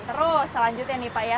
terus selanjutnya nih pak ya